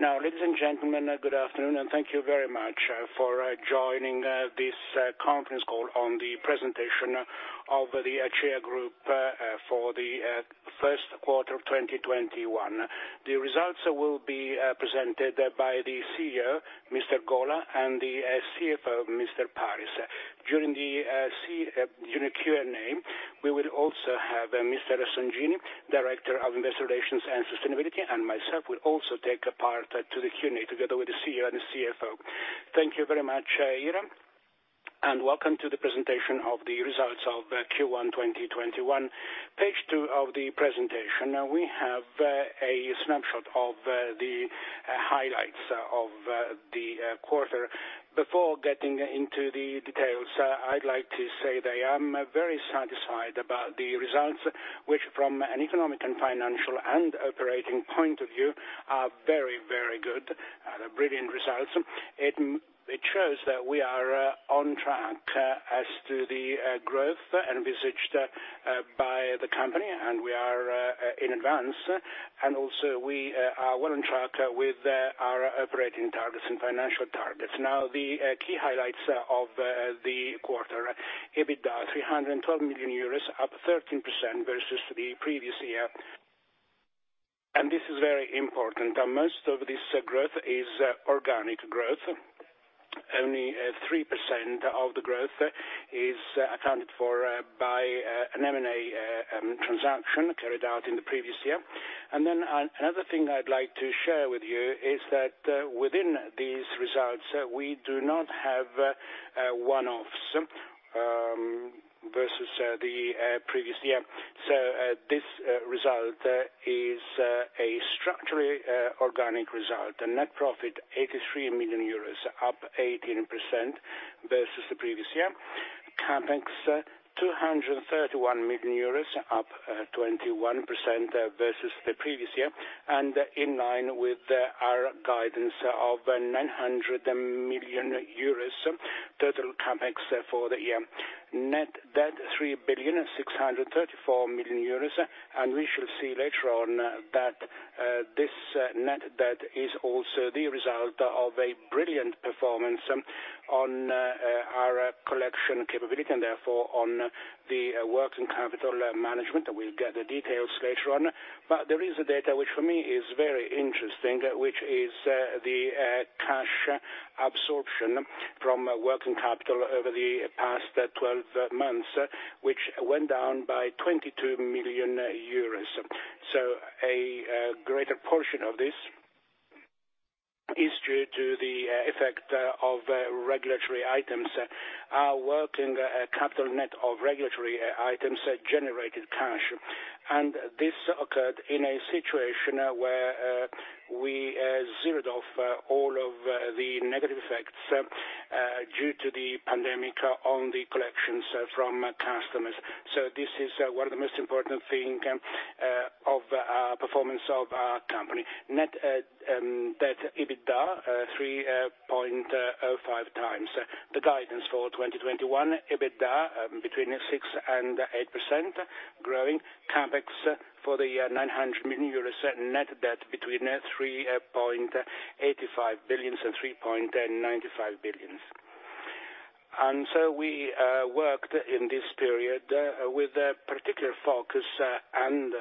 Ladies and gentlemen, good afternoon and thank you very much for joining this conference call on the presentation of the Acea Group for the Q1 of 2021. The results will be presented by the CEO, Mr. Gola, and the CFO, Mr. Paris. During the Q&A, we will also have Mr. Songini, Director of Investor Relations and Sustainability, and myself will also take a part to the Q&A, together with the CEO and the CFO. Thank you very much, Ira, welcome to the presentation of the results of Q1 2021. Page two of the presentation, we have a snapshot of the highlights of the quarter. Before getting into the details, I'd like to say that I am very satisfied about the results, which from an economic and financial and operating point of view are very good, brilliant results. It shows that we are on track as to the growth envisaged by the company, and we are in advance. Also, we are well on track with our operating targets and financial targets now, the key highlights of the quarter. EBITDA 312 million euros, up 13% versus the previous year, and this is very important most of this growth is organic growth. Only 3% of the growth is accounted for by an M&A transaction carried out in the previous year. Another thing I'd like to share with you is that within these results, we do not have one-offs versus the previous year. This result is a structurally organic result the net profit 83 million euros, up 18% versus the previous year. CapEx 231 million euros, up 21% versus the previous year, and in line with our guidance of 900 million euros total CapEx for the year. Net debt 3,634,000,000 euros and we shall see later on that this net debt is also the result of a brilliant performance on our collection capability and therefore on the working capital management we'll get the details later on. There is a data, which for me is very interesting, which is the cash absorption from working capital over the past 12 months, which went down by 22 million euros. A greater portion of this is due to the effect of regulatory items. Our working capital net of regulatory items generated cash. And this occurred in a situation where we zeroed off all of the negative effects due to the pandemic on the collections from customers. This is one of the most important thing of our performance of our company. Net debt to EBITDA 3.05x. The guidance for 2021, EBITDA between 6% and 8% growing CapEx for the year 900 million euros, net debt between 3.85 billion and 3.95 billion. We worked in this period with a particular focus and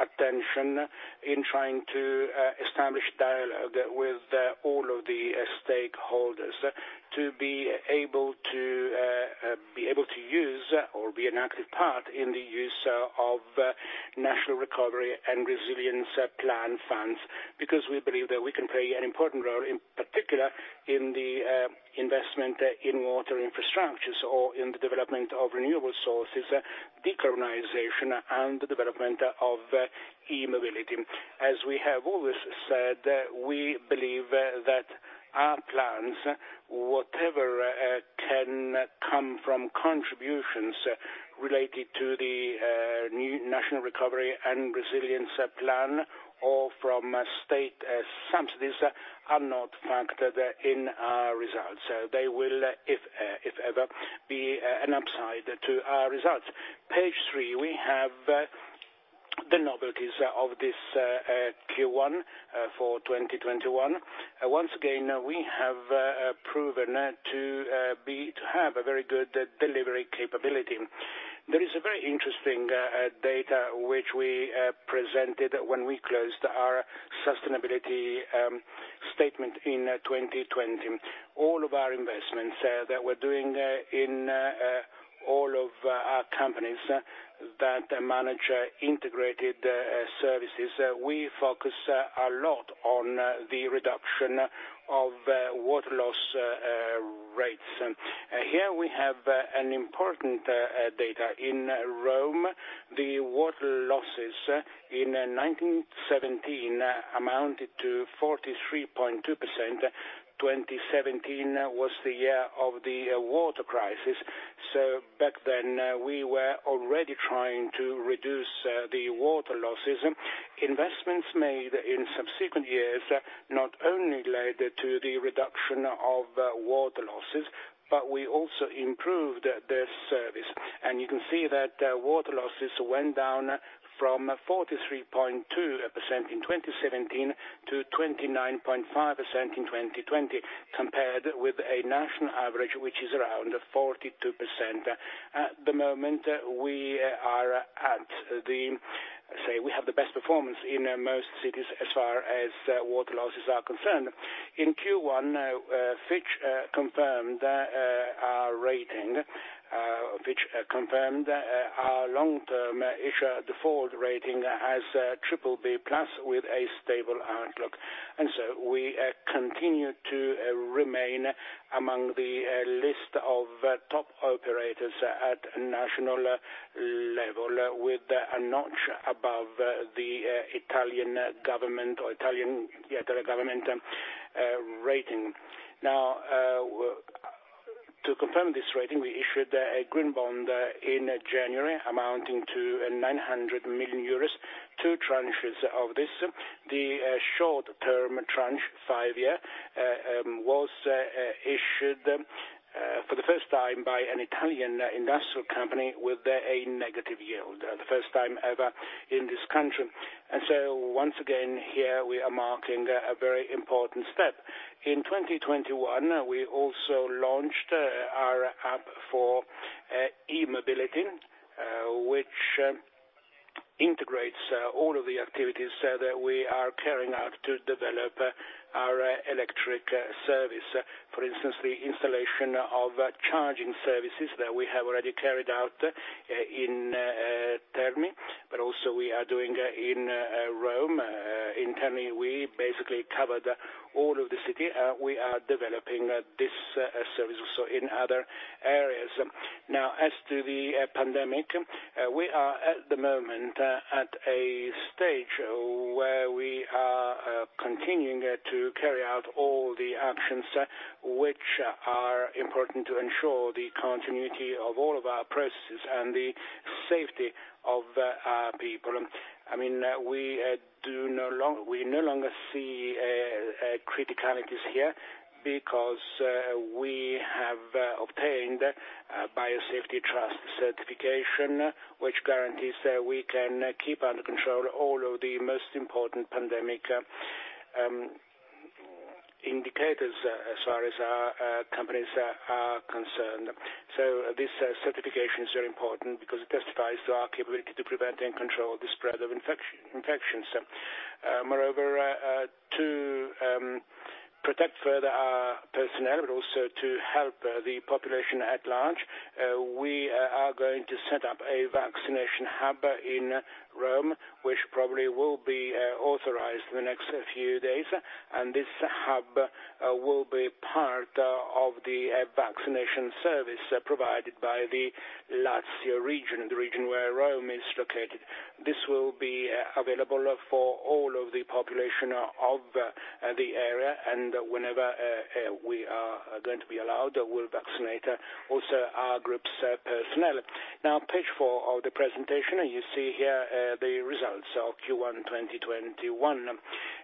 attention in trying to establish dialogue with all of the stakeholders to be able to use or be an active part in the use of National Recovery and Resilience Plan funds, because we believe that we can play an important role, in particular in the investment in water infrastructures or in the development of renewable sources, decarbonization, and the development of e-mobility. As we have always said, we believe that our plans, whatever can come from contributions related to the new National Recovery and Resilience Plan or from state subsidies, are not factored in our results, they will, if ever, be an upside to our results. Page three, we have the novelties of this Q1 for 2021. Once again, we have proven to have a very good delivery capability. There is a very interesting data which we presented when we closed our sustainability statement in 2020. All of our investments that we're doing in all of our companies that manage integrated services, we focus a lot on the reduction of water loss rates. Here we have an important data in Rome, the water losses in 2017 amounted to 43.2%. 2017 was the year of the water crisis. Back then, we were already trying to reduce the water losses. Investments made in subsequent years not only led to the reduction of water losses, but we also improved the service. And you can see that water losses went down from 43.2% in 2017 to 29.5% in 2020, compared with a national average, which is around 42%. At the moment, we have the best performance in most cities as far as water losses are concerned. In Q1, Fitch confirmed our long-term issuer default rating as BBB+ with a stable outlook. We continue to remain among the list of top operators at national level, with a notch above the Italian government rating. Now, to confirm this rating, we issued a green bond in January, amounting to 900 million euros, two tranches of this. The short-term tranche, five-year, was issued for the first time by an Italian industrial company with a negative yield, the first time ever in this country. Once again, here we are marking a very important step. In 2021, we also launched our app for e-mobility, which integrates all of the activities that we are carrying out to develop our electric service. For instance, the installation of charging services that we have already carried out in Terni, but also we are doing in Rome. In Terni, we basically covered all of the city we are developing this service also in other areas. As to the pandemic, we are at the moment at a stage where we are continuing to carry out all the actions which are important to ensure the continuity of all of our processes and the safety of our people. We no longer see criticalities here because we have obtained Biosafety Trust Certification, which guarantees that we can keep under control all of the most important pandemic indicators, as far as our companies are concerned. This certification is very important because it testifies to our capability to prevent and control the spread of infections. Moreover, to protect further our personnel, but also to help the population at large, we are going to set up a vaccination hub in Rome, which probably will be authorized in the next few days. This hub will be part of the vaccination service provided by the Latium Region, the region where Rome is located. This will be available for all of the population of the area and whenever we are going to be allowed, we'll vaccinate also our group's personnel. Page four of the presentation, you see here the results of Q1 2021.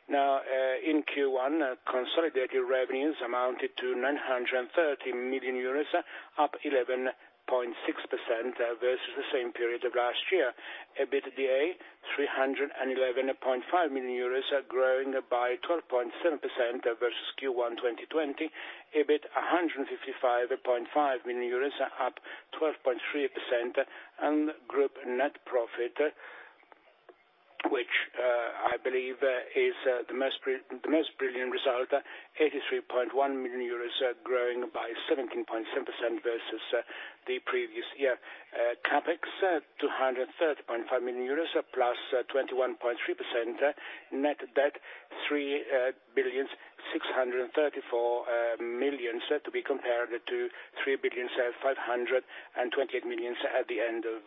In Q1, consolidated revenues amounted to 930 million euros, up 11.6% versus the same period of last year. EBITDA, 311.5 million euros, growing by 12.7% versus Q1 2020. EBITDA, 155.5 million euros, up 12.3%. Group net profit, which I believe is the most brilliant result, 83.1 million euros, growing by 17.7% versus the previous year. CapEx, 230.5 million euros, +21.3%. Net debt, 3,634,000,000, to be compared to 3,528,000 at the end of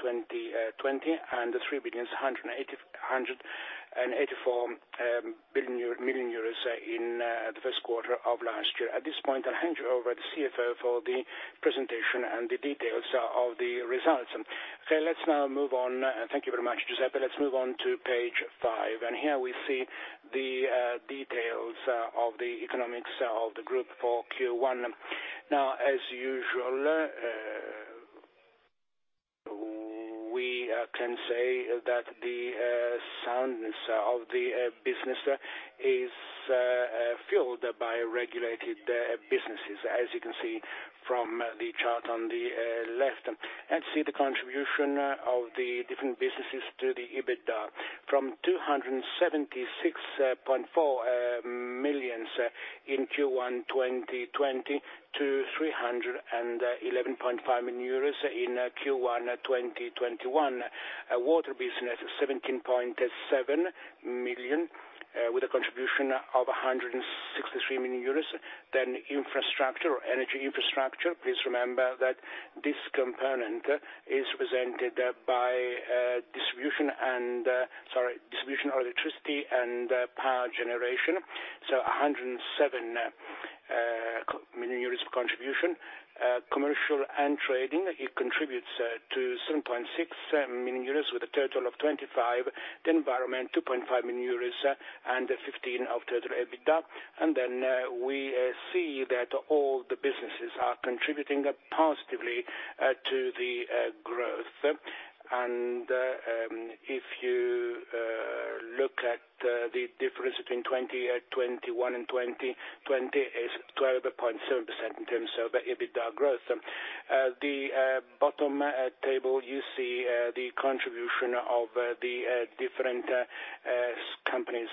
2020, and EUR 3,184,000 000 in the Q1 of last year at this point, I'll hand you over to the CFO for the presentation and the details of the results. Thank you very much, Giuseppe let's move on to page five and here we see the details of the economics of the group for Q1. As usual, we can say that the soundness of the business is fueled by regulated businesses, as you can see from the chart on the left. See the contribution of the different businesses to the EBITDA. From 276.4 million in Q1 2020 to 311.5 million euros in Q1 2021. Water business, 17.7 million, with a contribution of 163 million euros the infrastructure, energy infrastructure please remember that this component is presented by distribution of electricity and power generation. 107 million euros contribution. Commercial and trading, it contributes to 7.6 million euros with a total of 25, the environment 2.5 million euros, and 15 of total EBITDA. We see that all the businesses are contributing positively to the growth. If you look at the difference between 2021 and 2020, is 12.7% in terms of EBITDA growth. The bottom table, you see the contribution of the different companies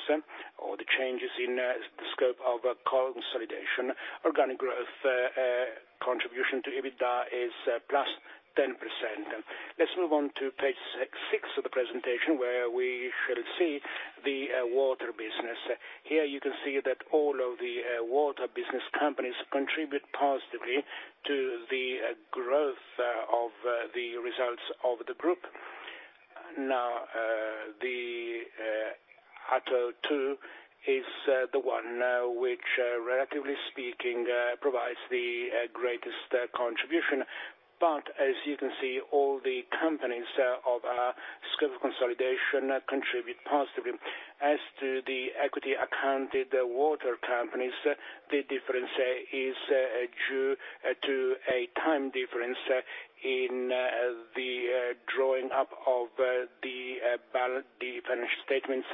or the changes in the scope of consolidation. Organic growth contribution to EBITDA is +10%. Let's move on to page six of the presentation, where we shall see the water business. Here you can see that all of the water business companies contribute positively to the growth of the results of the group. The Ato 2 is the one which, relatively speaking, provides the greatest contribution. As you can see, all the companies of our scope of consolidation contribute positively. As to the equity accounted water companies, the difference is due to a time difference in the drawing up of the financial statements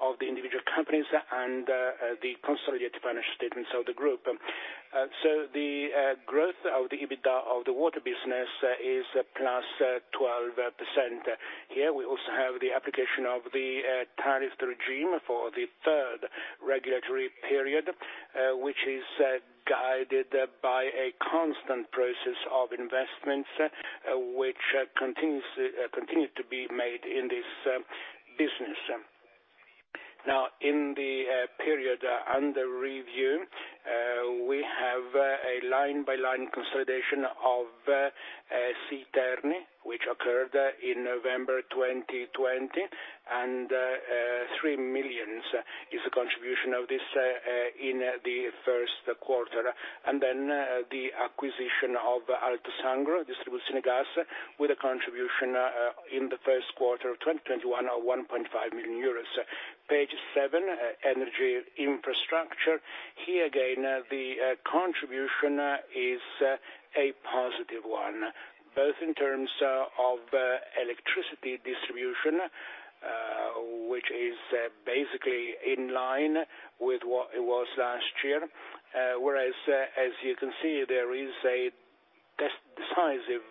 of the individual companies and the consolidated financial statements of the group. The growth of the EBITDA of the water business is +12%. Here, we also have the application of the tariff regime for the third regulatory period, which is guided by a constant process of investments, which continue to be made in this business. In the period under review, we have a line-by-line consolidation of SII Terni, which occurred in November 2020, and 3 million is the contribution of this in the Q1. Then the acquisition of Alto Sangro Distribuzione Gas, with a contribution in the Q1 of 2021 of 1.5 million euros. Page seven, energy infrastructure. Here again, the contribution is a positive one, both in terms of electricity distribution, which is basically in line with what it was last year. As you can see, there is a decisive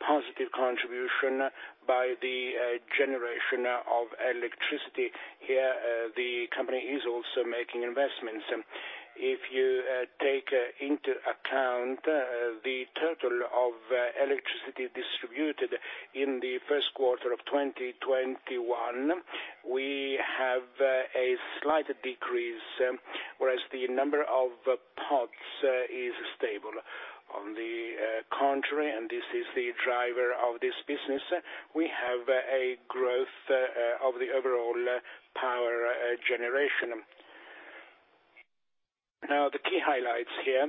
positive contribution by the generation of electricity. Here, the company is also making investments. If you take into account the total of electricity distributed in the Q1 of 2021, we have a slight decrease, whereas the number of pods is stable. On the contrary, this is the driver of this business, we have a growth of the overall power generation. The key highlights here.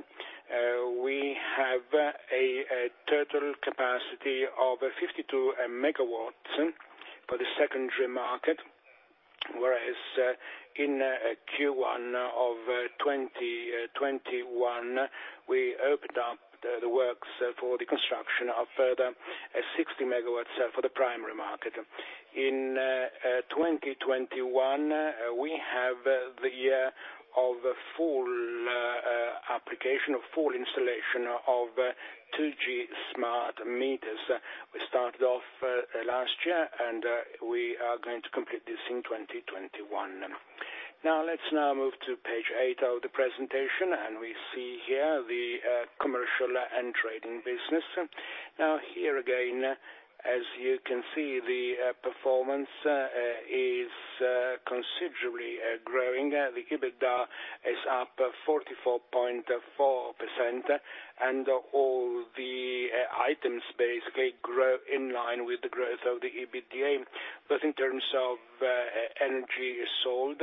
We have a total capacity of 52 MW for the secondary market, whereas in Q1 2021, we opened up the works for the construction of further 60 MW for the primary market. In 2021, we have the year of full application, of full installation of 2G smart meters. We started off last year, we are going to complete this in 2021. Let's now move to page eight of the presentation, we see here the commercial and trading business. Here again, as you can see, the performance is considerably growing the EBITDA is up 44.4%, all the items basically grow in line with the growth of the EBITDA, both in terms of energy sold,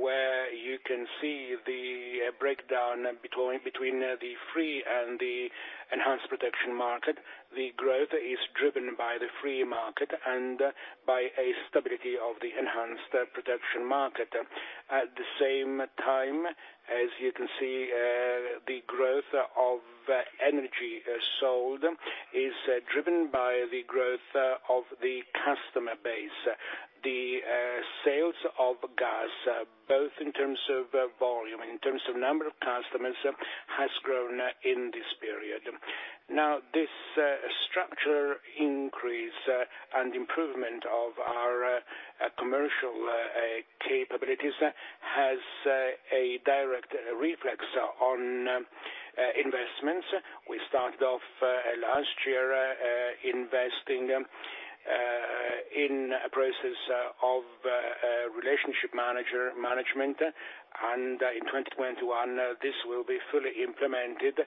where you can see the breakdown between the free and the enhanced protection market. The growth is driven by the free market and by a stability of the enhanced protection market. At the same time, as you can see, the growth of energy sold is driven by the growth of the customer base. The sales of gas, both in terms of volume, in terms of number of customers, has grown in this period. Now, this structure increase and improvement of our commercial capabilities has a direct reflex on investments. We started off last year investing in a process of relationship management, and in 2021, this will be fully implemented.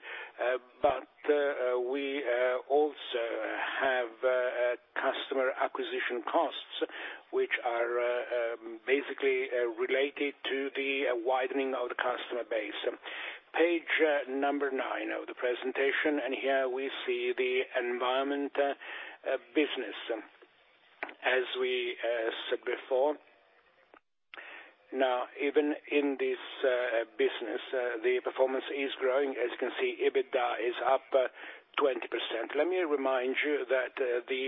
We also have customer acquisition costs, which are basically related to the widening of the customer base. Page number nine of the presentation, and here we see the environment business. As we said before, now even in this business, the performance is growing as you can see, EBITDA is up 20% let me remind you that the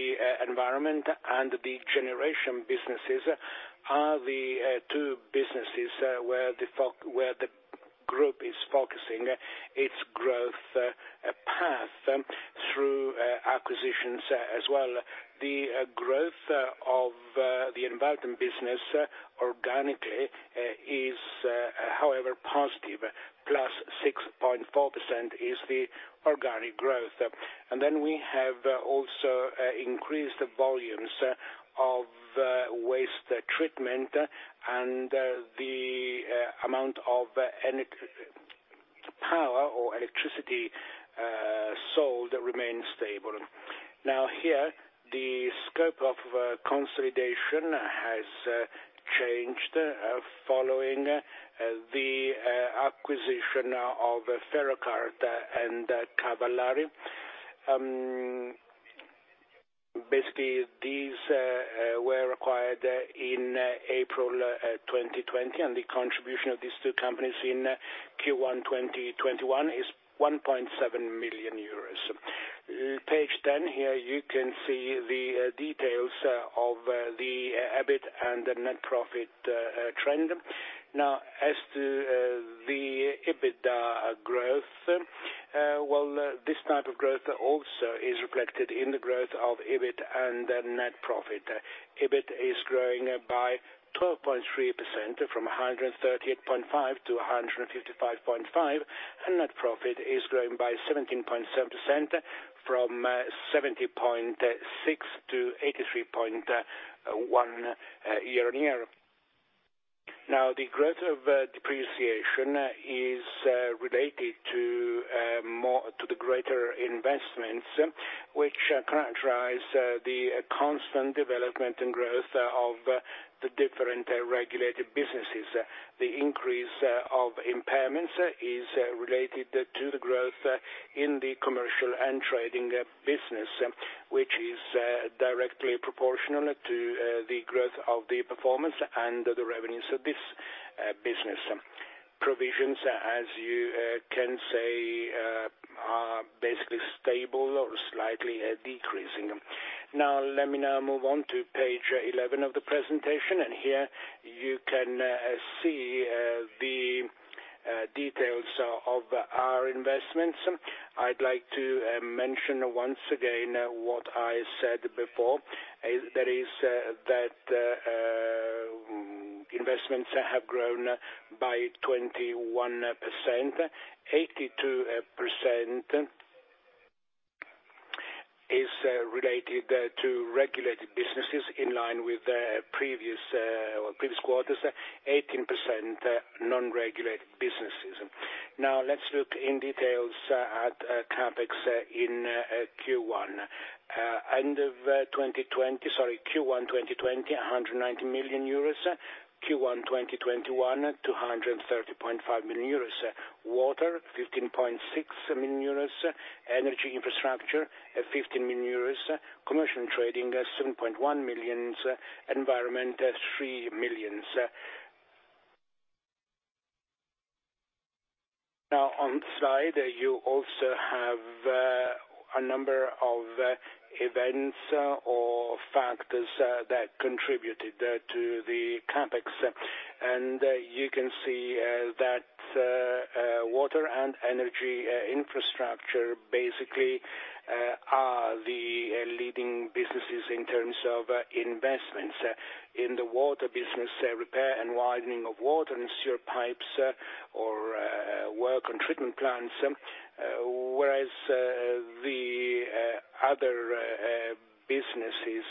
environment and the generation businesses are the two businesses where the group is focusing its growth path through acquisitions as well. The growth of the environment business organically is, however, +6.4% is the organic growth. Then we have also increased volumes of waste treatment, and the amount of power or electricity sold remains stable. Here, the scope of consolidation has changed following the acquisition of Ferrocart and Cavallari. These were acquired in April 2020, and the contribution of these two companies in Q1 2021 is 1.7 million euros. Page 10, here you can see the details of the EBITDA and net profit trend. As to the EBITDA growth, well, this type of growth also is reflected in the growth of EBITDA and net profit. EBITDA is growing by 12.3%, from 138.5 million-155.5 million, and net profit is growing by 17.7%, from 70.6 million-83.1 million year-on-year. The growth of depreciation is related to the greater investments, which characterize the constant development and growth of the different regulated businesses. The increase of impairments is related to the growth in the commercial and trading business, which is directly proportional to the growth of the performance and the revenues of this business. Provisions, as you can say, are basically stable or slightly decreasing. Now, let me now move on to page 11 of the presentation, and here you can see the details of our investments. I'd like to mention once again what I said before, that is that investments have grown by 21%. 82% is related to regulated businesses in line with previous quarters, 18% non-regulated businesses now, let's look in details at CapEx in Q1. End of 2020, sorry, Q1 2020, 190 million euros, Q1 2021, 230.5 million euros. Water, 15.6 million euros. Energy infrastructure, 15 million euros. Commercial and trading, 7.1 million. Environment, 3 million. On slide, you also have a number of events or factors that contributed to the CapEx. You can see that water and energy infrastructure basically are the leading businesses in terms of investments. In the water business, repair and widening of water and sewer pipes or work on treatment plants, whereas the other businesses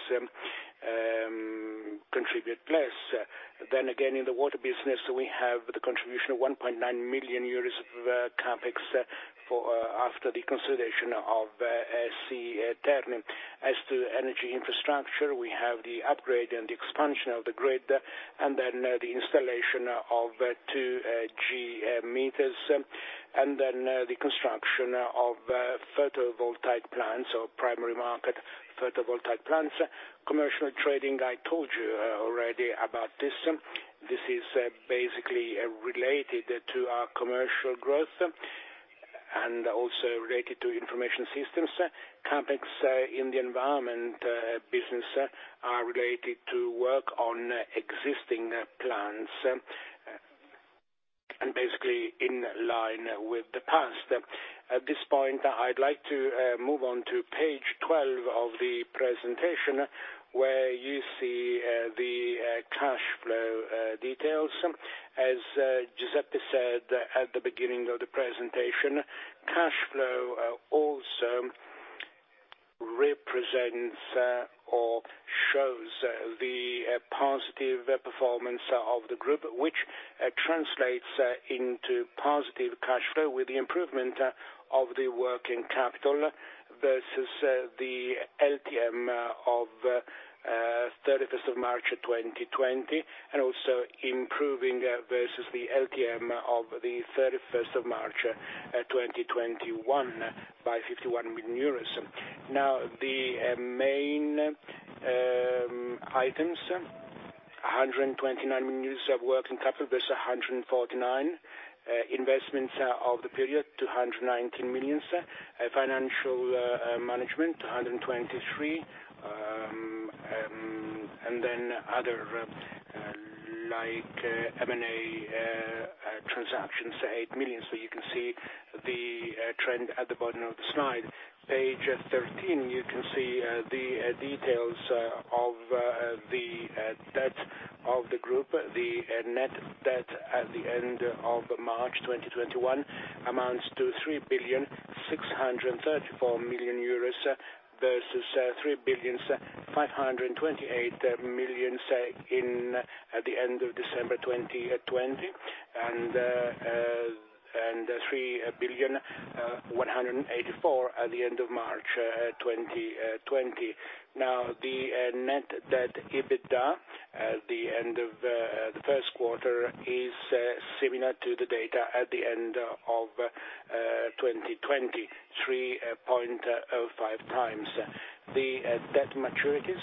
contribute less. In the water business, we have the contribution of 1.9 million euros of CapEx after the consolidation of Acea Terni. As to energy infrastructure, we have the upgrade and the expansion of the grid, the installation of 2G meters, the construction of photovoltaic plants or primary market photovoltaic plants. Commercial trading, I told you already about this. This is basically related to our commercial growth and also related to information systems. CapEx in the environment business are related to work on existing plants and basically in line with the past. At this point, I'd like to move on to page 12 of the presentation, where you see the cash flow details. As Giuseppe said at the beginning of the presentation, cash flow also represents or shows the positive performance of the group, which translates into positive cash flow with the improvement of the working capital versus the LTM of 31 March 2020, also improving versus the LTM of the 31 March 2021 by 51 million euros. The main items, 129 million euros of working capital versus 149 million, investments of the period, 219 million, financial management, 123 million, and then other, like M&A transactions, 8 million you can see the trend at the bottom of the slide. Page 13, you can see the details of the debt of the group the net debt at the end of March 2021 amounts to 3,634,000,000 euros versus 3,528,000,000 at the end of December 2020, and 3,000,000,184 at the end of March 2020. The net debt EBITDA at the end of the Q1 is similar to the data at the end of 2020, 3.05x. The debt maturities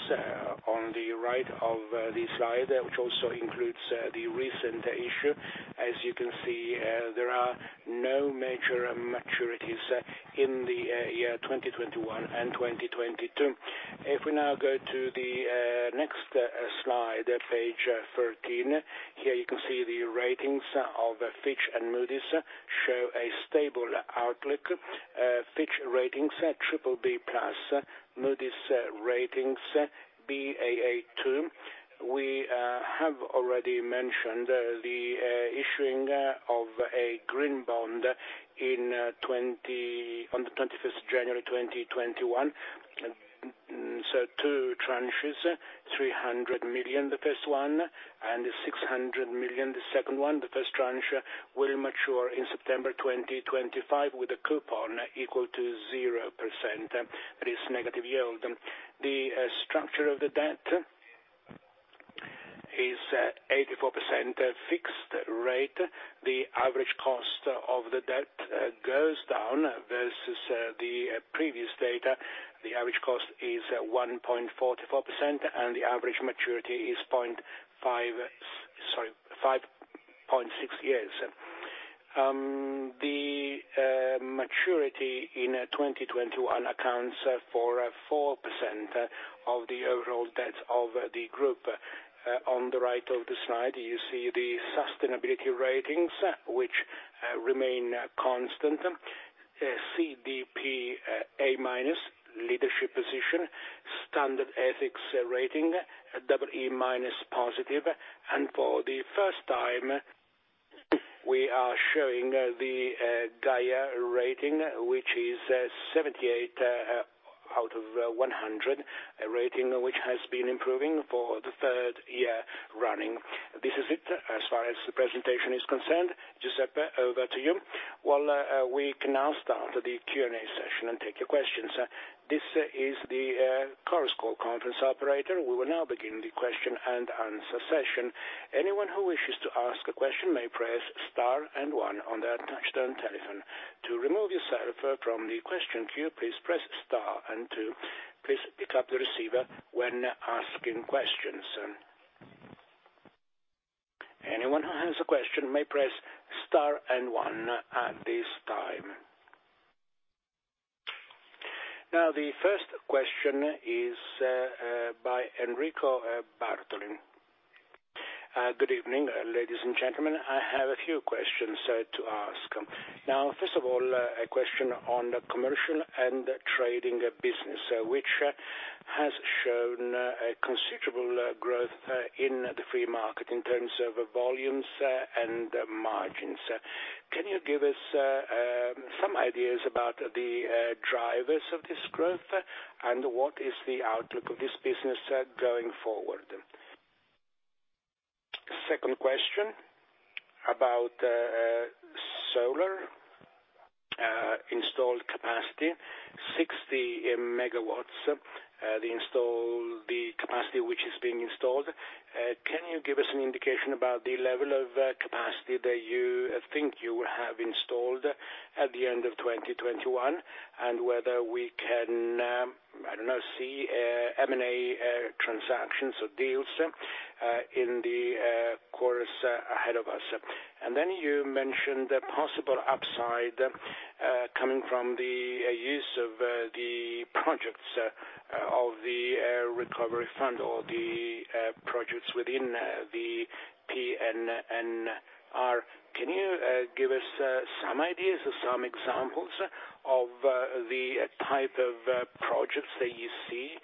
on the right of the slide, which also includes the recent issue. As you can see, there are no major maturities in the year 2021 and 2022. If we now go to the next slide, page 13. Here you can see the ratings of Fitch and Moody's show a stable outlook. Fitch ratings BBB+, Moody's ratings Baa2. We have already mentioned the issuing of a green bond on the 21 January 2021. Two tranches, 300 million the first one, and 600 million the second one the first tranche will mature in September 2025 with a coupon equal to 0%. That is negative yield. The structure of the debt is 84% fixed rate. The average cost of the debt goes down versus the previous data. The average cost is 1.44%, and the average maturity is 5.6 years. The maturity in 2021 accounts for 4% of the overall debt of the group. On the right of the slide, you see the sustainability ratings, which remain constant. CDP A-, leadership position. Standard Ethics rating, EE- and EE+. For the first time, we are showing the Gaïa Rating, which is 78 out of 100, a rating which has been improving for the third year running. This is it as far as the presentation is concerned. Giuseppe, over to you. Well, we can now start the Q&A session and take your questions. This is the Chorus Call conference operator we will now begin the question and answer session. Anyone who wishes to ask a question may press star and one on their touchtone telephone. To remove yourself from the question queue, please press star and two. Please pick up the receiver when asking questions. Anyone who has a question may press star and one at this time. The first question is by Enrico Bartoli. Good evening, ladies and gentlemen. I have a few questions to ask. First of all, a question on the commercial and trading business, which has shown a considerable growth in the free market in terms of volumes and margins. Can you give us some ideas about the drivers of this growth? and what is the outlook of this business going forward? Second question about solar installed capacity, 60 MW, the capacity which is being installed. Can you give us an indication about the level of capacity that you think you will have installed at the end of 2021, and whether we can, I don't know, see M&A transactions or deals in the quarters ahead of us? Then you mentioned the possible upside coming from the use of the projects of the recovery fund or the projects within the PNRR. Can you give us some ideas or some examples of the type of projects that you see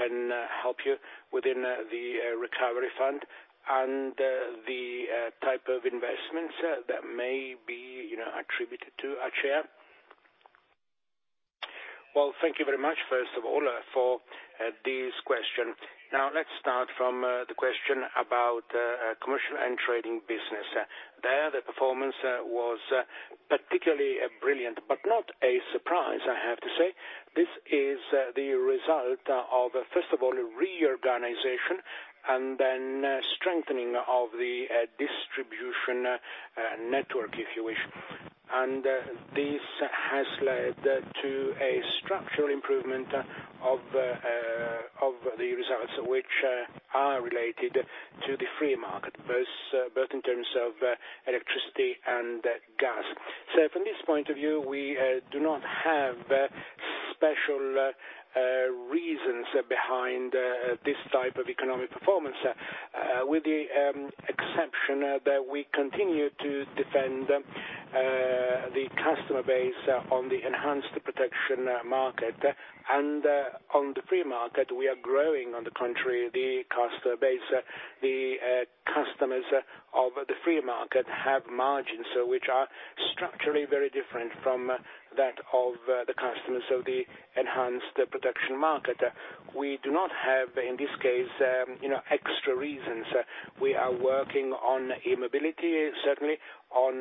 can help you within the recovery fund, and the type of investments that may be attributed to A2A? Well, thank you very much, first of all, for this question. Let's start from the question about commercial and trading business. There, the performance was particularly brilliant, not a surprise, I have to say. This is the result of, first of all, a reorganization and then strengthening of the distribution network, if you wish. This has led to a structural improvement of the results, which are related to the free market, both in terms of electricity and gas. From this point of view, we do not have special reasons behind this type of economic performance, with the exception that we continue to defend the customer base on the enhanced protection market. On the free market, we are growing, on the contrary, the customer base. The customers of the free market have margins which are structurally very different from that of the customers of the enhanced protection market, we do not have, in this case, extra reasons. We are working on e-mobility, certainly on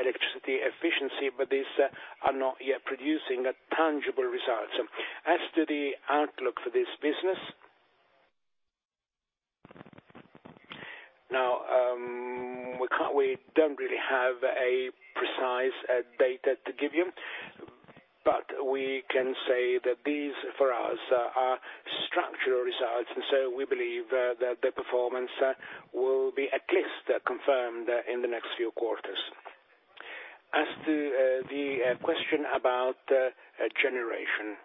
electricity efficiency, but these are not yet producing tangible results. As to the outlook for this business, now, we don't really have a precise data to give you. But, we can say that these, for us, are structural results so we believe that the performance will be at least confirmed in the next few quarters. As to the question about generation.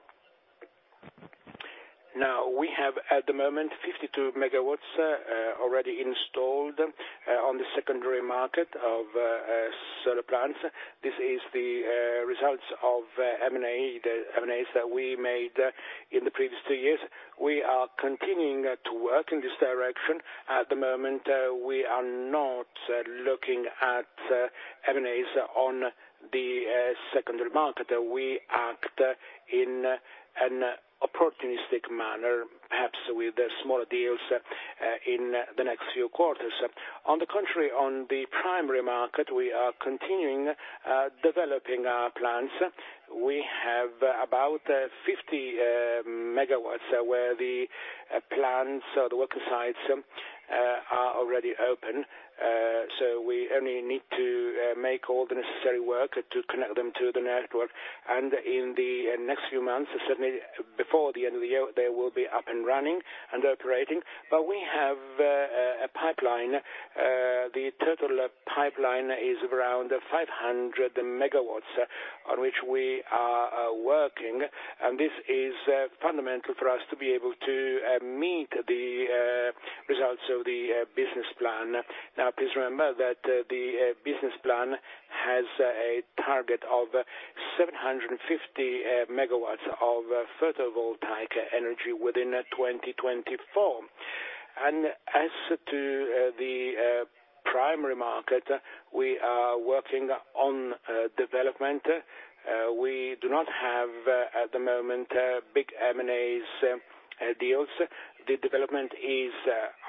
Now, we have, at the moment, 52 MW already installed on the secondary market of solar plants. This is the results of M&A, the M&A's that we made in the previous two years. We are continuing to work in this direction. At the moment, we are not looking at M&A's on the secondary market we act in an opportunistic manner, perhaps with smaller deals, in the next few quarters. On the contrary, on the primary market, we are continuing developing our plants. We have about 50 MW, where the plants or the work sites are already open. We only need to make all the necessary work to connect them to the network. In the next few months, certainly before the end of the year, they will be up and running and operating. But we have a pipeline. The total pipeline is around 500 MW, on which we are working, and this is fundamental for us to be able to meet the results of the business plan. Please remember that the business plan has a target of 750 MW of photovoltaic energy within 2024. As to the primary market, we are working on development. We do not have, at the moment, big M&A's deals. The development is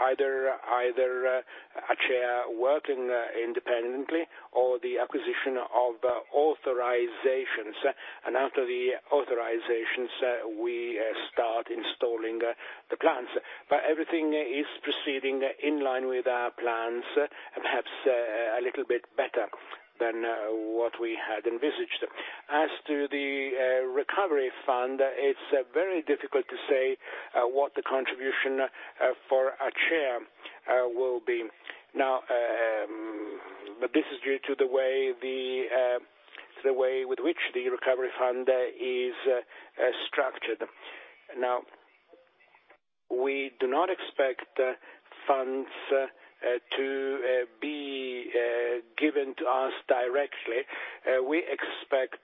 either Acea working independently or the acquisition of authorizations. After the authorizations, we start installing the plants. Everything is proceeding in line with our plans, perhaps a little bit better than what we had envisaged. As to the recovery fund, it's very difficult to say what the contribution for Acea will be. This is due to the way with which the recovery fund is structured. We do not expect funds to be given to us directly. We expect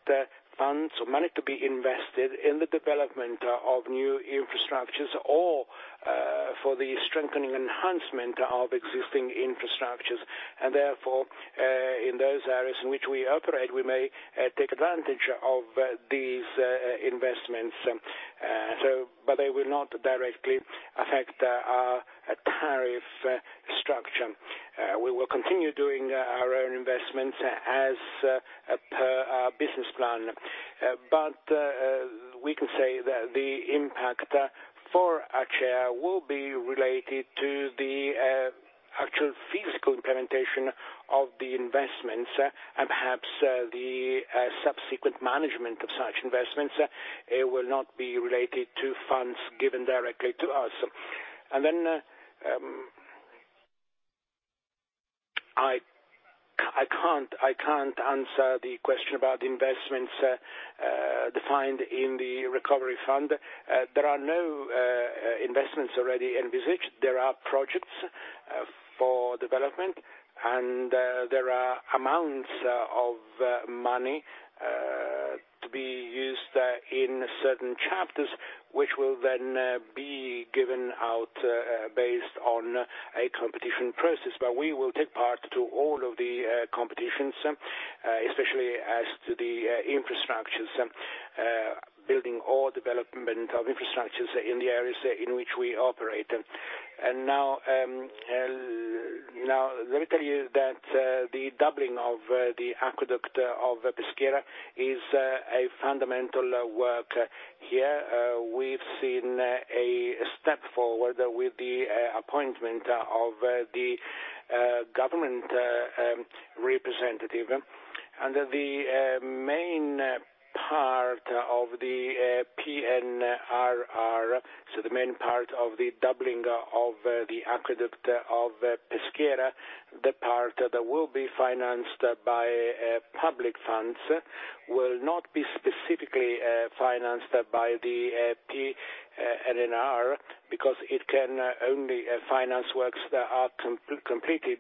funds or money to be invested in the development of new infrastructures or for the strengthening enhancement of existing infrastructures. Therefore, in those areas in which we operate, we may take advantage of these investments. They will not directly affect our tariff structure. We will continue doing our own investments as per our business plan. But, we can say that the impact for Acea will be related to the actual physical implementation of the investments and perhaps the subsequent management of such investments. It will not be related to funds given directly to us. I can't answer the question about the investments defined in the recovery fund. There are no investments already envisaged there are projects for development, and there are amounts of money to be used in certain chapters, which will then be given out based on a competition process we will take part to all of the competition especially as to the infrastructures, building all development of infrastructures in the areas in which we operate. Now, let me tell you that the doubling of the Aqueduct of Peschiera is a fundamental work here. We've seen a step forward with the appointment of the government representative. The main part of the PNRR, so the main part of the doubling of the Aqueduct of Peschiera, the part that will be financed by public funds, will not be specifically financed by the PNRR, because it can only finance works that are completed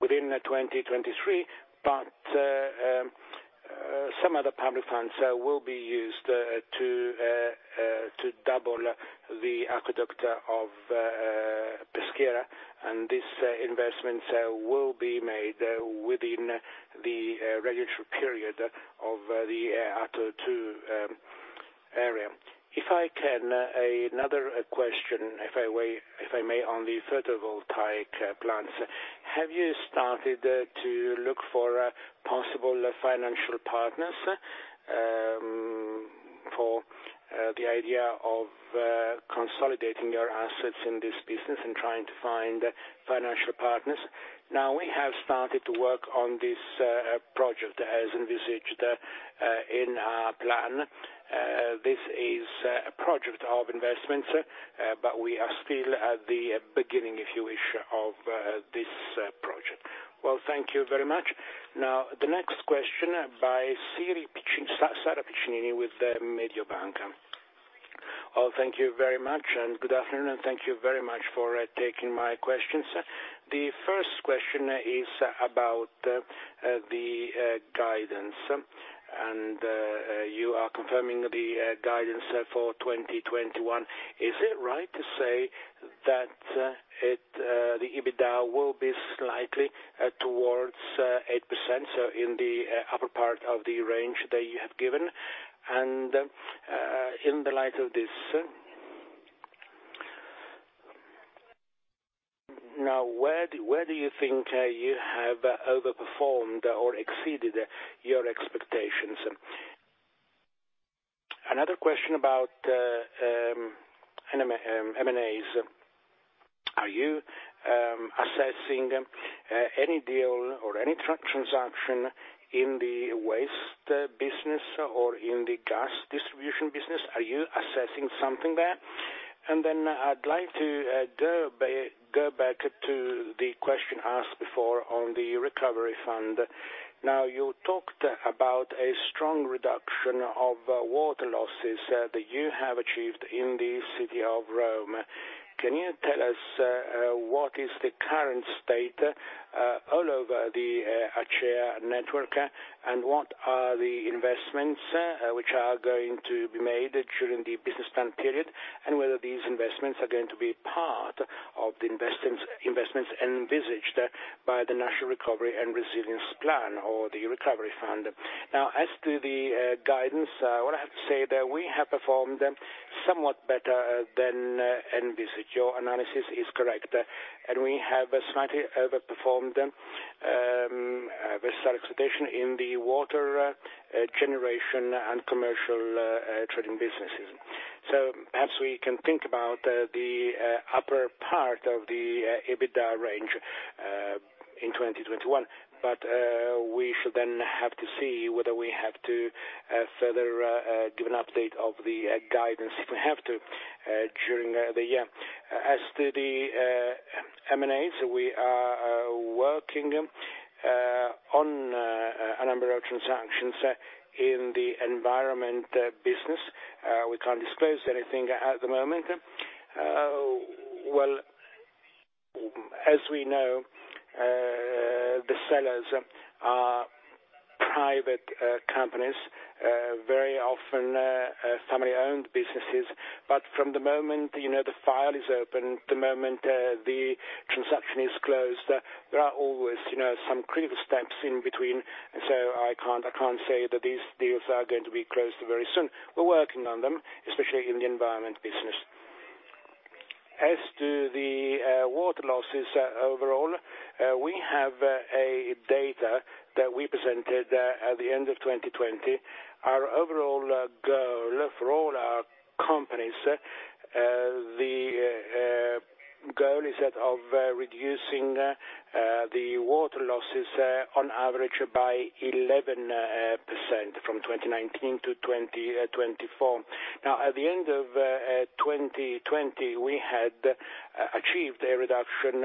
within 2023, but some other public funds will be used to double the Aqueduct of Peschiera. This investment will be made within the regulatory period of the Ato 2 area. If I can, another question, if I may, on the photovoltaic plants. Have you started to look for possible financial partners? for the idea of consolidating your assets in this business and trying to find financial partners? We have started to work on this project as envisaged in our plan. This is a project of investment, but we are still at the beginning, if you wish, of this project. Thank you very much. Now, the next question by Sara Piccinini with Mediobanca. Thank you very much, and good afternoon thank you very much for taking my questions. The first question is about the guidance. You are confirming the guidance for 2021. Is it right to say that the EBITDA will be slightly towards 8%, so in the upper part of the range that you have given? In the light of this- now where do you think you have overperformed or exceeded your expectations? Another question about M&A's. Are you assessing any deal? or any transaction in the waste business or in the gas distribution business? Are you assessing something there? Then i'd like to go back to the question asked before on the recovery fund. Now, you talked about a strong reduction of water losses that you have achieved in the city of Rome. Can you tell us what is the current state all over the Acea network, and what are the investments which are going to be made during the business plan period, and whether these investments are going to be part of the investments envisaged by the National Recovery and Resilience Plan or the recovery fund? Now, as to the guidance, what I have to say, that we have performed somewhat better than envisaged your analysis is correct, and we have slightly overperformed versus expectation in the water generation and commercial trading businesses. Perhaps we can think about the upper part of the EBITDA range in 2021, but we should then have to see whether we have to further give an update of the guidance, if we have to, during the year. As to the M&A's, we are working on a number of transactions in the environment business. We can't disclose anything at the moment. Well, as we know, the sellers are private companies, very often family-owned businesses. From the moment the file is open, the moment the transaction is closed, there are always some critical steps in between. I can't say that these deals are going to be closed very soon. We're working on them, especially in the environment business. As to the water losses overall, we have a data that we presented at the end of 2020. Our overall goal for all our companies, the goal is that of reducing the water losses on average by 11% from 2019 to 2024. Now, at the end of 2020, we had achieved a reduction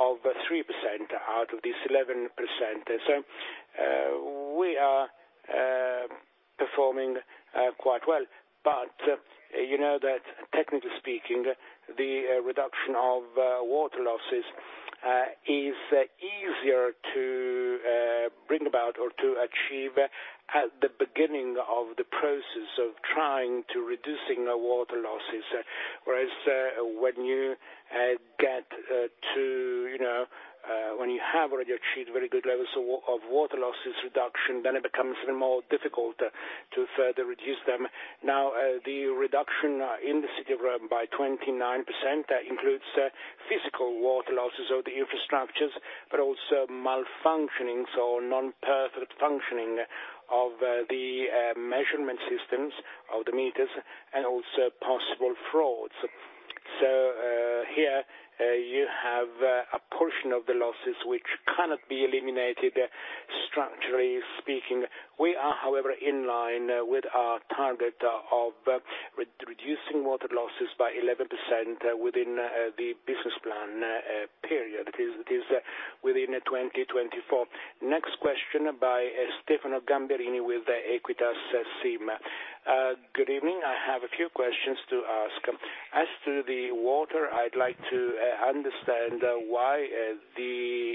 of 3% out of this 11%. We are performing quite well, but, you know that technically speaking, the reduction of water losses is easier to bring about or to achieve at the beginning of the process of trying to reducing water losses. When you have already achieved very good levels of water losses reduction, then it becomes more difficult to further reduce them. Now, the reduction in the city of Rome by 29%, that includes physical water losses of the infrastructures, but also malfunctionings or non-perfect functioning of the measurement systems of the meters and also possible frauds. Here, you have a portion of the losses which cannot be eliminated structurally speaking. We are, however, in line with our target of reducing water losses by 11% within the business plan period. It is within 2024. Next question by Stefano Gamberini with Equita SIM. Good evening. I have a few questions to ask. As to the water, I'd like to understand why the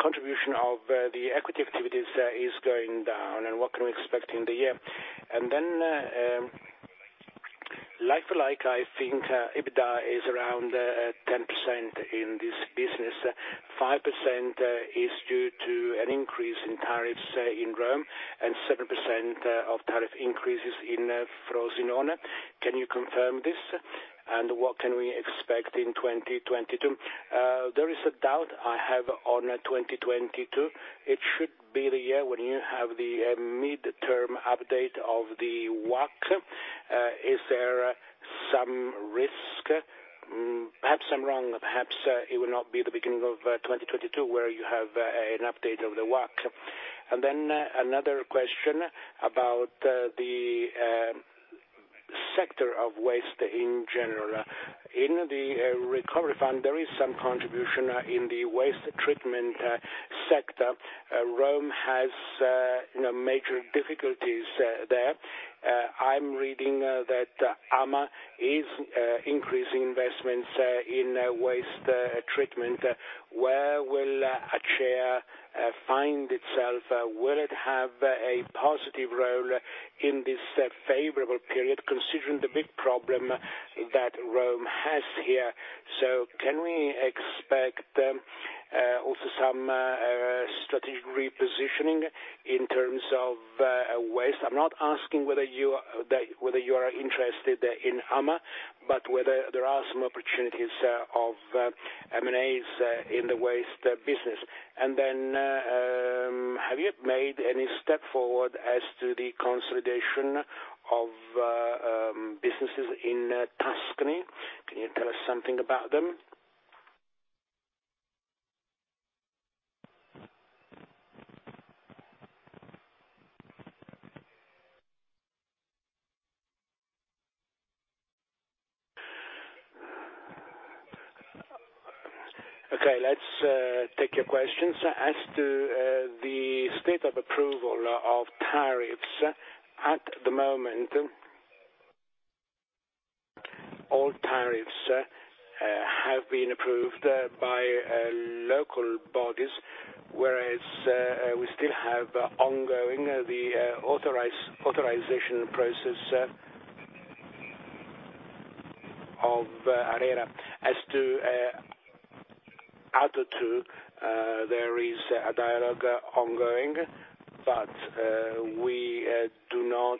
contribution of the equity activities is going down? and what can we expect in the year? Like-for-like, I think EBITDA is around 10% in this business. 5% is due to an increase in tariffs in Rome and 7% of tariff increases in Frosinone. Can you confirm this? What can we expect in 2022? There is a doubt I have on 2022. It should be the year when you have the midterm update of the WACC. Is there some risk? Perhaps I'm wrong, perhaps it will not be the beginning of 2022 where you have an update of the WACC. Another question about the sector of waste in general. In the recovery fund, there is some contribution in the waste treatment sector. Rome has major difficulties there. I'm reading that AMA is increasing investments in waste treatment. Where will Acea find itself? Will it have a positive role in this favorable period, considering the big problem that Rome has here? Can we expect also some strategic repositioning in terms of waste? I'm not asking whether you are interested in AMA, but whether there are some opportunities of M&A's in the waste business. And then, have you made any step forward as to the consolidation of businesses in Tuscany? Can you tell us something about them? Let's take your questions as to the state of approval of tariffs, at the moment, all tariffs have been approved by local bodies, whereas we still have ongoing the authorization process of ARERA. As Ato 2, there is a dialogue ongoing, but we do not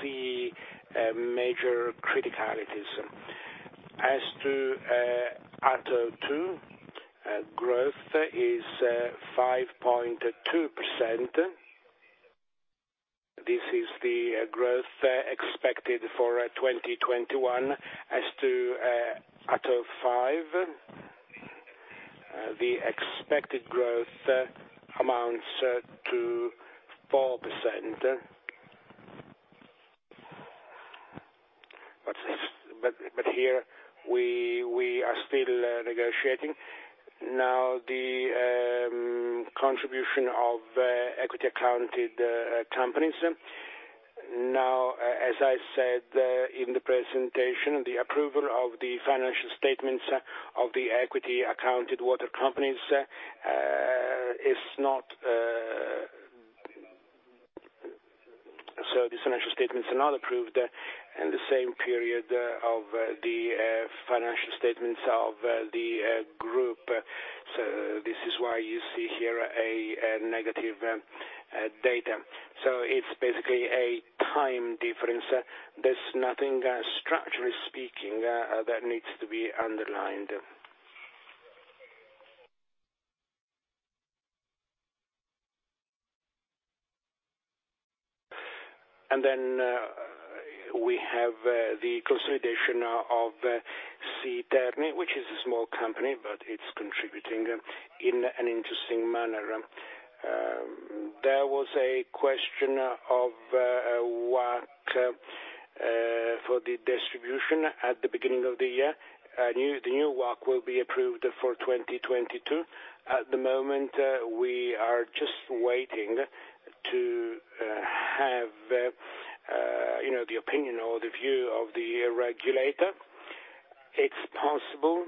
see major criticalities. As Ato 2, growth is 5.2%. This is the growth expected for 2021. As to Ato 5, the expected growth amounts to 4%. Here we are still negotiating, now the contribution of equity accounted companies. As I said in the presentation, the approval of the financial statements of the equity accounted water companies, the financial statements are not approved in the same period of the financial statements of the group. This is why you see here a negative data. It's basically a time difference. There's nothing structurally speaking that needs to be underlined. Then we have the consolidation of SII Terni, which is a small company, but it's contributing in an interesting manner. There was a question of WACC for the distribution at the beginning of the year. The new WACC will be approved for 2022. At the moment, we are just waiting for the opinion or the view of the regulator. It's possible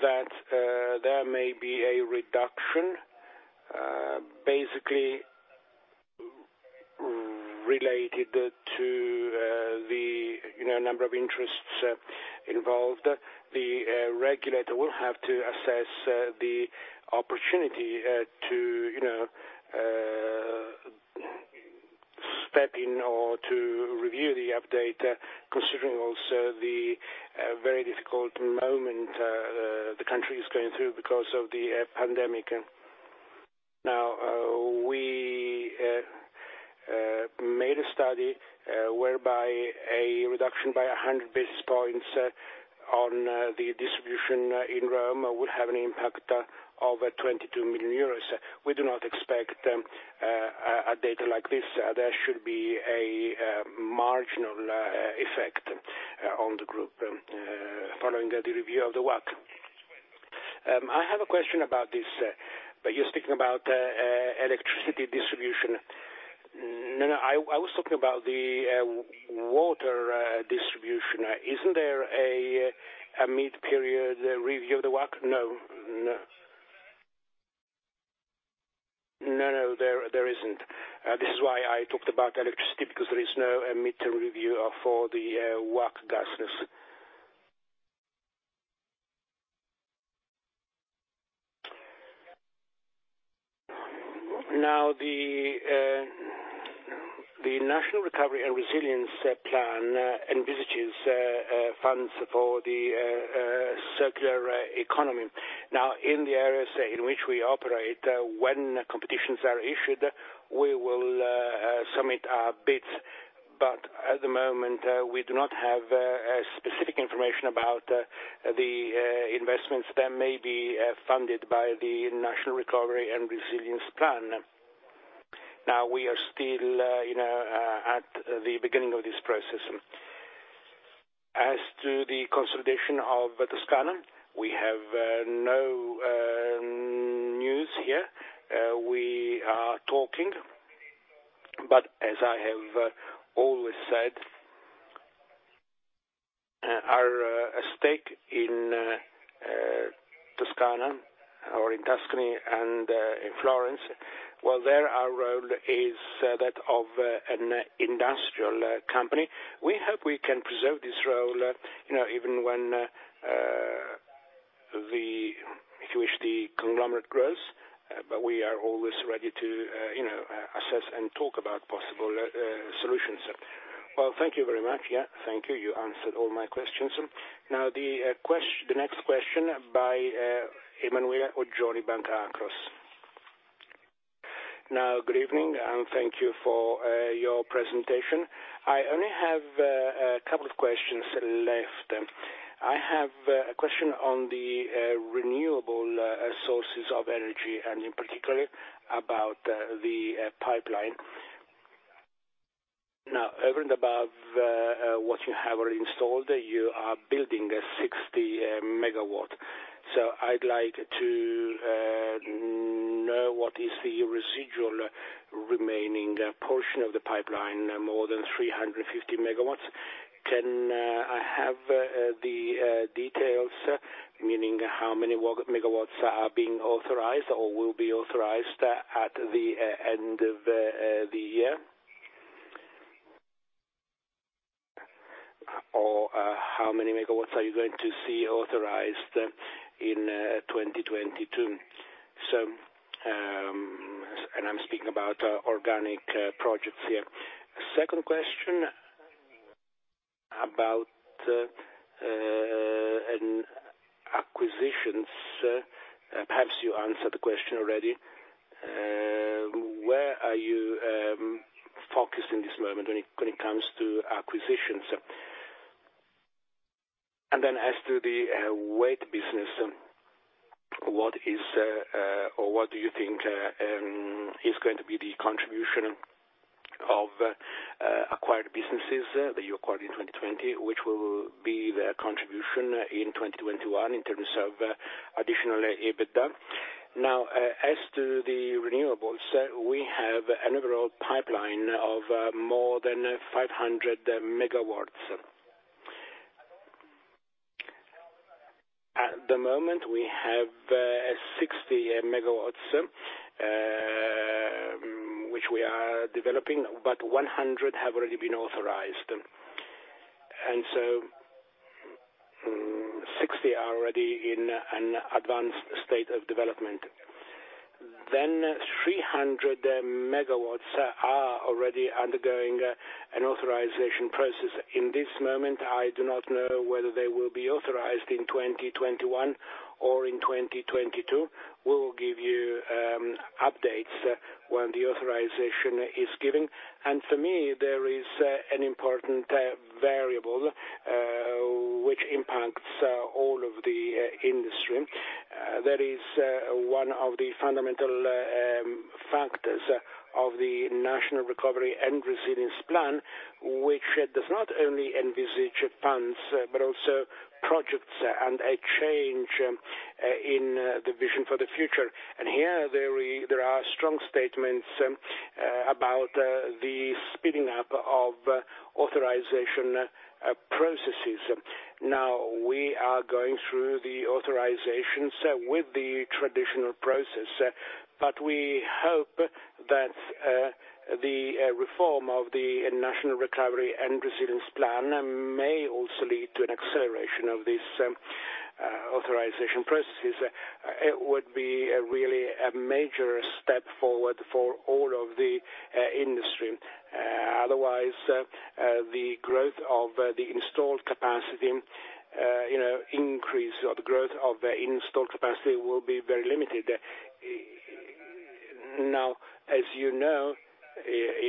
that there may be a reduction, basically related to the number of interests involved. The regulator will have to assess the opportunity to step in or to review the update, considering also the very difficult moment the country is going through because of the pandemic. We made a study whereby a reduction by 100 basis points on the distribution in Rome would have an impact of 22 million euros. We do not expect a data like this there should be a marginal effect on the group following the review of the WACC. I have a question about this. You're speaking about electricity distribution. No, I was talking about the water distribution. Isn't there a mid-period review of the WACC? No. No, there isn't this is why I talked about electricity, because there is no mid-term review for the WACC gas. The National Recovery and Resilience Plan envisages funds for the circular economy. Now in the areas in which we operate, when competitions are issued, we will submit our bids. But at the moment, we do not have specific information about the investments that may be funded by the National Recovery and Resilience Plan. We are still at the beginning of this process. As to the consolidation of Toscana, we have no news here. We are talking, but as I have always said, our stake in Toscana or in Tuscany and in Florence, well, there, our role is that of an industrial company. We hope we can preserve this role, even when the conglomerate grows, but we are always ready to assess and talk about possible solutions. Well, thank you very much. Yeah. Thank you. You answered all my questions. The next question by Emanuele Oggioni, Banca Akros. Good evening, thank you for your presentation. I only have a couple of questions left. I have a question on the renewable sources of energy, and in particular, about the pipeline. Over and above what you have already installed, you are building 60 MW so id like to know what is the residual remaining portion of the pipeline, more than 350 MW. Can I have the details? meaning how many megawatts are being authorized or will be authorized at the end of the year? How many megawatts are you going to see authorized in 2022? I'm speaking about organic projects here. Second question about acquisitions. Perhaps you answered the question already. Where are you focused in this moment when it comes to acquisitions? As to the waste business, what do you think is going to be the contribution of acquired businesses that you acquired in 2020, which will be the contribution in 2021 in terms of additional EBITDA? As to the renewables, we have an overall pipeline of more than 500 MW. At the moment we have 60 MW, which we are developing, but 100 MW have already been authorized. 60 MW are already in an advanced state of development. 300 MW are already undergoing an authorization process. In this moment i do not know whether they will be authorized in 2021 or in 2022. We will give you updates when the authorization is given. And for me there is an important variable which impacts all of the industry. That is one of the fundamental factors of the National Recovery and Resilience Plan, which does not only envisage plans, but also projects and a change in the vision for the future. Here, there are strong statements about the speeding up of authorization processes. Now, we are going through the authorizations with the traditional process, but we hope that the reform of the National Recovery and Resilience Plan may also lead to an acceleration of these authorization processes. It would be really a major step forward for all of the industry. Otherwise, the growth of the installed capacity increase or the growth of the installed capacity will be very limited. Now, as you know,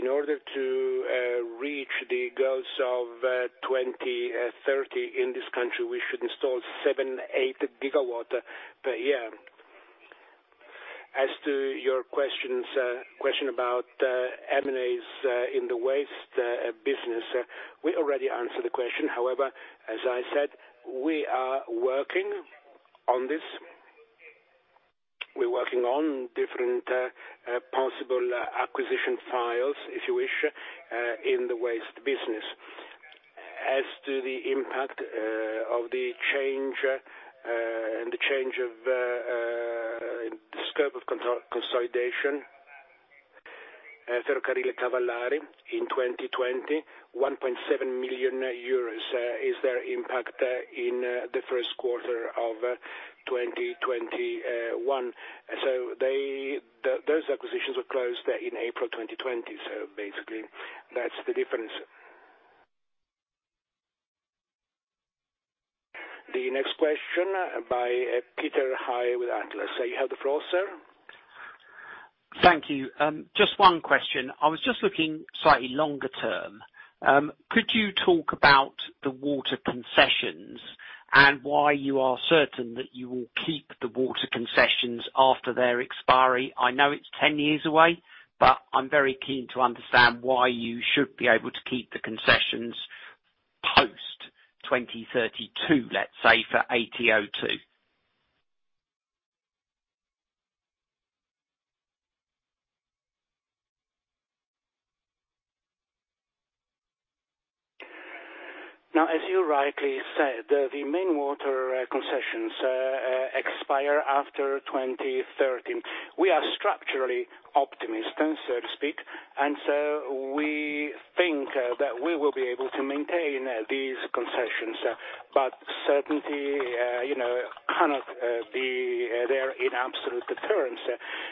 in order to reach the goals of 2030 in this country, we should install 7, 8 GW per year. As to your question about M&A's in the waste business, we already answered the question however, as I said, we are working on this. We're working on different possible acquisition files, if you wish, in the waste business. As to the impact of the change in the scope of consolidation, Ferrocart and Cavallari in 2020, 1.7 million euros is their impact in the Q1 of 2021. Those acquisitions were closed in April 2020 basically, that's the difference. The next question by Peter High with Atlas. You have the floor, sir. Thank you. Just one question. I was just looking slightly longer term. Could you talk about the water concessions and why you are certain that you will keep the water concessions after their expiry? I know it's 10 years away? but I'm very keen to understand why you should be able to keep the concessions post 2032, let's say, for Ato 2. Now, as you rightly said, the main water concessions expire after 2030. We are structurally optimistic, so to speak, we think that we will be able to maintain these concessions. But certainty cannot be there in absolute deterrence,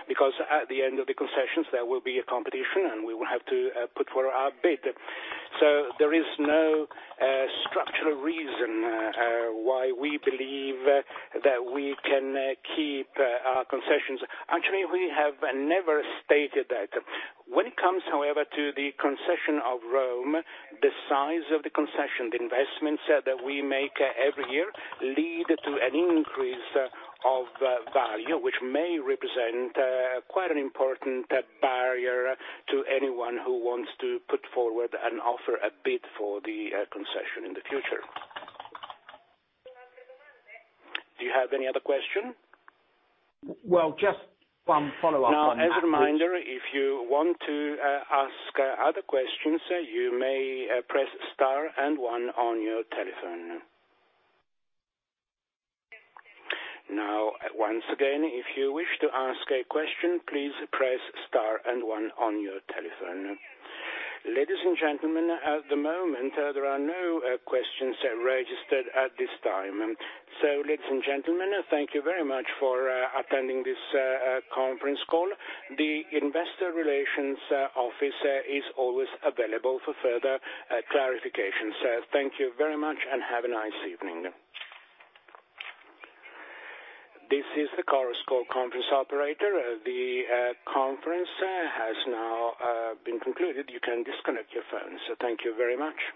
because at the end of the concessions, there will be a competition and we will have to put forward our bid. There is no structural reason why we believe that we can keep our concessions actually, we have never stated that. When it comes, however, to the concession of Rome, the size of the concession, the investments that we make every year lead to an increase of value, which may represent quite an important barrier to anyone who wants to put forward an offer, a bid for the concession in the future. Do you have any other question? Well, just one follow-up on that. As a reminder, if you want to ask other questions, you may press star and one on your telephone. Once again, if you wish to ask a question, please press star and one on your telephone. Ladies and gentlemen, at the moment, there are no questions registered at this time. Ladies and gentlemen, thank you very much for attending this conference call. The investor relations office is always available for further clarification. Thank you very much and have a nice evening. This is the Chorus Call conference operator. The conference has now been concluded. You can disconnect your phone. Thank you very much.